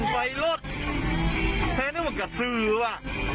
แหละนึกว่ากระสือว่ะ